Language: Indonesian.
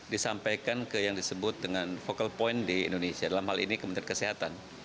disampaikan ke yang disebut dengan vocal point di indonesia dalam hal ini kementerian kesehatan